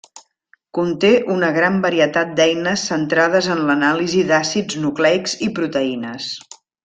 Conté una gran varietat d'eines centrades en l'anàlisi d'àcids nucleics i proteïnes.